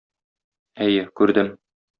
Әйе, күрдем.